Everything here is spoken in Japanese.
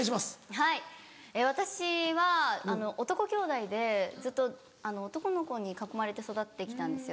はい私は男きょうだいでずっと男の子に囲まれて育って来たんですよ。